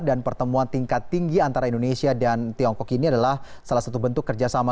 dan pertemuan tingkat tinggi antara indonesia dan tiongkok ini adalah salah satu bentuk kerjasama